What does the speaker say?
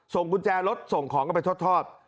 กุญแจรถส่งของกันไปทอด